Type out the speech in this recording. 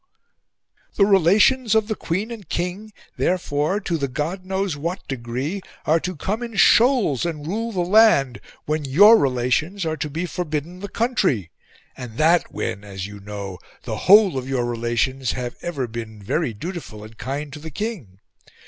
The relations of the Queen and the King, therefore, to the God knows what degree, are to come in shoals and rule the land, when YOUR RELATIONS are to be FORBIDDEN the country, and that when, as you know, the whole of your relations have ever been very dutiful and kind to the King.